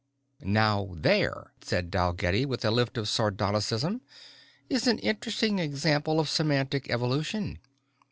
"Now there," said Dalgetty with a lift of sardonicism, "is an interesting example of semantic evolution.